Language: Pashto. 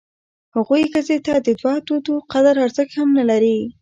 هغوی ښځې ته د دوه توتو قدر ارزښت هم نه لري.